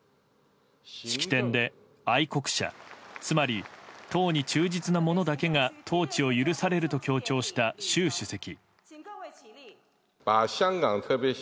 式典で愛国者つまり党に忠実な者だけが統治を許されると強調した習主席。